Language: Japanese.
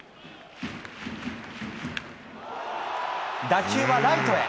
打球はライトへ。